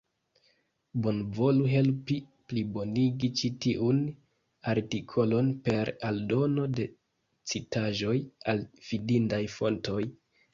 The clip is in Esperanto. Bonvolu helpi plibonigi ĉi tiun artikolon per aldono de citaĵoj al fidindaj fontoj.